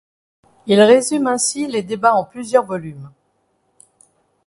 Il résume ainsi les débats en plusieurs volumes.